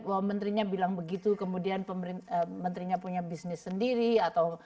wah menterinya bilang begitu kemudian menterinya punya bisnis sendiri atau